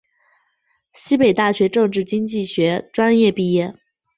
西北大学政治经济学专业毕业。